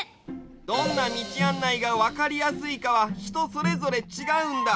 どんなみちあんないがわかりやすいかはひとそれぞれちがうんだ。